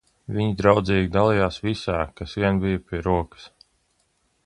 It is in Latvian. Viņi draudzīgi dalījās visā, kas vien bija pie rokas.